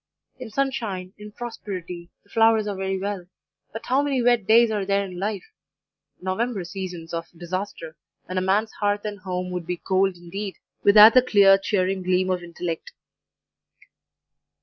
In sunshine, in prosperity, the flowers are very well; but how many wet days are there in life November seasons of disaster, when a man's hearth and home would be cold indeed, without the clear, cheering gleam of intellect.